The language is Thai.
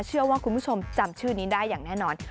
เชื่อว่าคุณผู้ชมจำชื่อนี้ได้อย่างแน่นอน